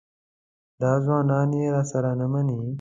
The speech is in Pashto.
دا ځوانان یې راسره نه مني.